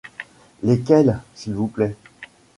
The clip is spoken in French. Lesquelles, s’il vous plaît?